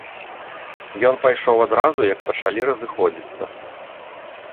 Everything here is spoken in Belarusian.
Ён пайшоў адразу, як пачалі разыходзіцца.